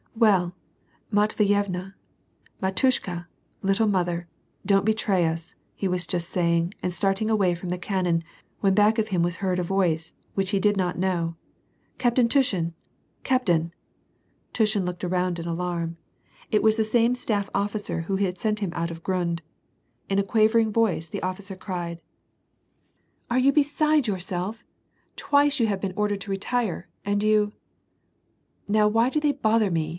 " Well, Matveyevna, — Mdtushka !— little mother ! don't be tray us," he was just saying, and starting away from the can non, when back of him was heard a voice which he did not know, —" Captain Tushin ! Captain !" Tushin looked around in alarm. It was the same staff officer WAR AND PEACE. 231 who had sent him out of Gnind. In a quavering voice, the offi cer cried, —" Are you beside yourself ? Twice you have been ordered to retire, and you "—" Now why do they bother me